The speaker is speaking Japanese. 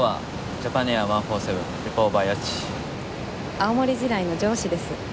青森時代の上司です。